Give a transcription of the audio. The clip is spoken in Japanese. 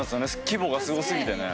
規模がすごすぎてね。